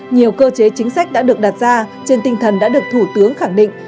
nhiều cơ chế chính sách đã được đặt ra trên tinh thần đã được thủ tướng khẳng định